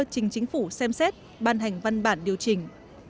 chính chính phủ xem xét ban hành văn bản điều chỉnh